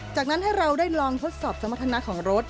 จากนั้นให้เราได้ลองทดสอบสมรรถนาของรถ